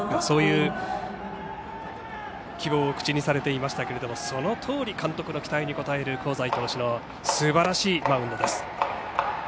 そういう希望を口にされていましたけれどもそのとおり監督の期待に応える香西投手のすばらしいマウンドです。